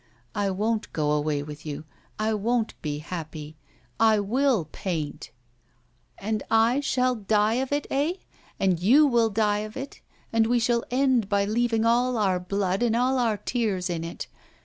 I won't go away with you, I won't be happy, I will paint!' 'And I shall die of it, eh? And you will die of it, and we shall end by leaving all our blood and all our tears in it!